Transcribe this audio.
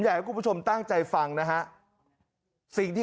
อยากให้คุณผู้ชมตั้งใจฟังนะฮะสิ่งที่